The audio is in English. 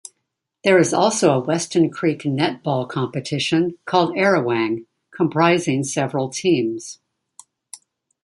There is also a Weston Creek netball competition, called Arawang, comprising several teams.